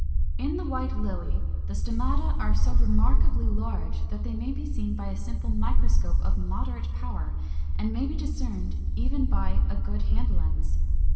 444. In the White Lily the stomata are so remarkably large that they may be seen by a simple microscope of moderate power, and may be discerned even by a good hand lens.